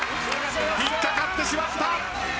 引っかかってしまった。